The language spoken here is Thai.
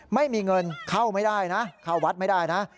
ไม่มีเงินเข้าไม่ได้นะเข้าวัดไม่ได้นะ